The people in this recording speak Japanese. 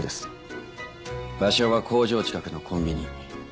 場所は工場近くのコンビニ。